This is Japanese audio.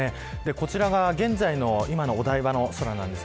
こちらが現在の今のお台場の空です。